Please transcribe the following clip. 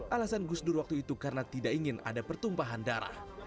alasan gus dur waktu itu karena tidak ingin ada pertumpahan darah